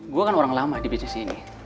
gue kan orang lama di bisnis ini